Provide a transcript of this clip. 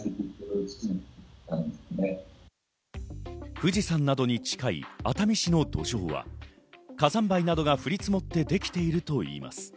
富士山などに近い熱海市の土壌は、火山灰などが降り積もってできているといいます。